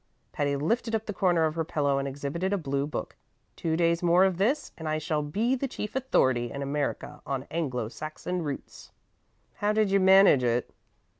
Patty lifted up the corner of her pillow and exhibited a blue book. "Two days more of this, and I shall be the chief authority in America on Anglo Saxon roots." "How do you manage it?"